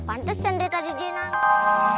pantes yang dari tadi dia nangis